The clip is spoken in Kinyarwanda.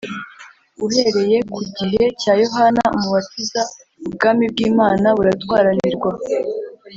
Uhereye ku gihe cya Yohana Umubatiza ubwami bw’Imana buratwaranirwa